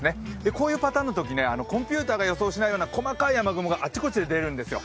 こういうパターンのときコンピューターが予想しないような細かい雨雲があちこちで出るんですよ。